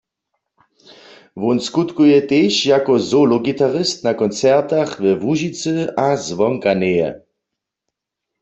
Wón skutkuje tež jako solo-gitarist na koncertach we Łužicy a zwonka njeje.